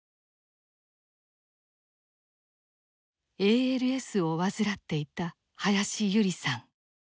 ＡＬＳを患っていた林優里さん。